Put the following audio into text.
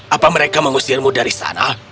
apa mereka mengusirmu dari sana